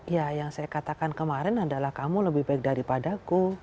ya yang saya katakan kemarin adalah kamu lebih baik daripadaku